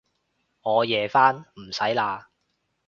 我夜返，唔使喇